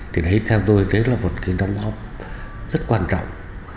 thì đấy theo tôi đấy là một cái đóng góp rất quan trọng